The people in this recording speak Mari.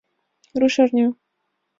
Рушарня.